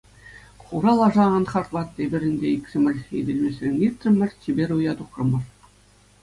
Хура лаша, ан хартлат: эпир ӗнтӗ иксӗмӗр ителмесрен иртрӗмӗр, чиперуя тухрӑмӑр.